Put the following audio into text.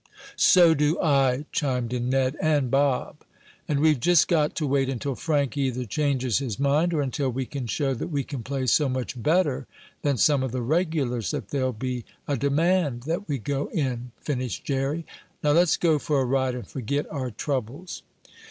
"So do I!" chimed in Ned and Bob. "And we've just got to wait until Frank either changes his mind, or until we can show that we can play so much better than some of the regulars that there'll be a demand that we go in," finished Jerry. "Now let's go for a ride and forget our troubles."